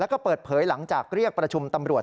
แล้วก็เปิดเผยหลังจากเรียกประชุมตำรวจ